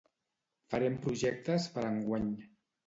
Farem projectes per a enguany